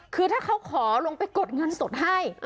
คือถ้าเขาขอลงไปกดเงินสดให้